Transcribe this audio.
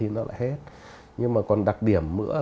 nhưng mà còn đặc điểm nữa